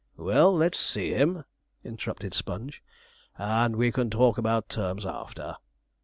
'Well, let's see him,' interrupted Sponge, 'and we can talk about terms after.'